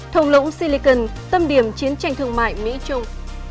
thùng lũng silicon tâm điểm chiến tranh thương mại mỹ trung